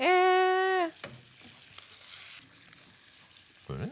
これね。